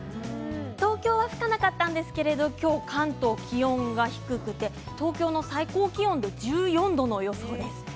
東京は吹かなかったんですけれど今日、関東気温が低くて東京の最高気温は１４度の予想です。